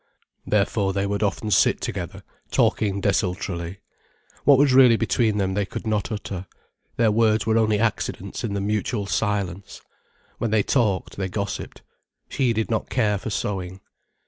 Therefore they would often sit together, talking desultorily. What was really between them they could not utter. Their words were only accidents in the mutual silence. When they talked, they gossiped. She did not care for sewing.